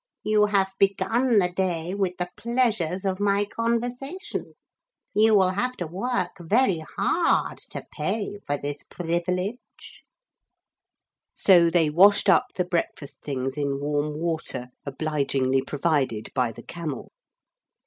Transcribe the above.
You have begun the day with the pleasures of my conversation. You will have to work very hard to pay for this privilege.' So they washed up the breakfast things in warm water obligingly provided by the camel.